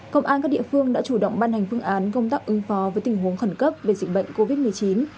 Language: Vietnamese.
công an các địa phương đã chủ động ban hành phương án công tác ứng phó với tình huống khẩn cấp về dịch bệnh covid một mươi chín